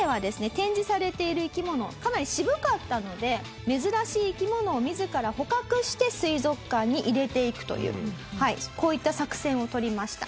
展示されている生き物かなり渋かったので珍しい生き物を自ら捕獲して水族館に入れていくというこういった作戦を取りました。